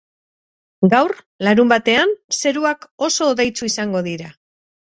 Gaur, larunbatean, zeruak oso hodeitsu izango dira.